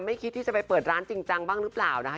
คิดที่จะไปเปิดร้านจริงจังบ้างหรือเปล่านะคะ